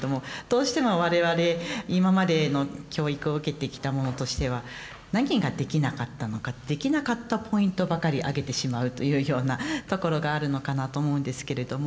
どうしても我々今までの教育を受けてきた者としては何ができなかったのかできなかったポイントばかり挙げてしまうというようなところがあるのかなと思うんですけれども。